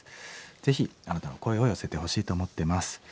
ぜひあなたの声を寄せてほしいと思ってます。